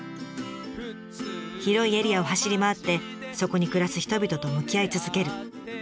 広いエリアを走り回ってそこに暮らす人々と向き合い続ける。